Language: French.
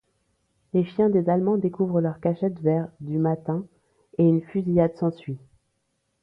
Les chiens des Allemands découvrent leur cachette vers du matin et une fusillade s'ensuit.